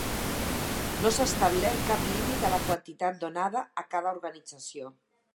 No s'ha establert cap límit a la quantitat donada a cada organització.